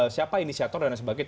siapa inisiator dan lain sebagainya